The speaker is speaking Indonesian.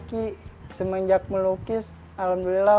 waktu itu oki semenjak melukis alhamdulillah